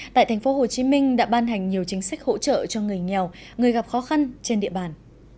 tại tp hcm đã ban hành nhiều chính sách hỗ trợ cho người nghèo người gặp khó khăn trên địa bàn